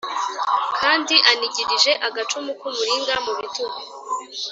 kandi anigirije agacumu k’umuringa mu bitugu.